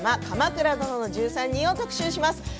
「鎌倉殿の１３人」を特集します。